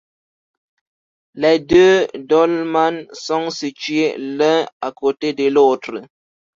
Les deux dolmens sont situés l'un à côté de l'autre.